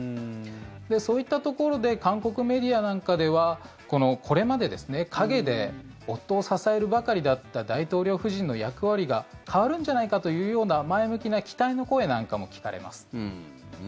そういったところで韓国メディアなんかではこれまで陰で夫を支えるばかりだった大統領夫人の役割が変わるんじゃないかというような前向きな期待の声なんかも聞かれます。